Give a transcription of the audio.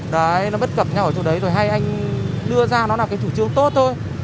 đấy nó bất cập nhau ở chỗ đấy rồi hay anh đưa ra nó là cái chủ trương tốt thôi